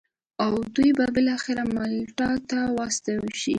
او دوی به بالاخره مالټا ته واستول شي.